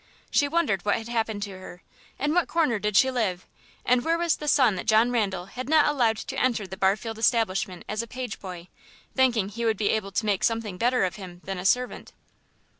She wondered what had happened to her, in what corner did she live, and where was the son that John Randal had not allowed to enter the Barfield establishment as page boy, thinking he would be able to make something better of him than a servant.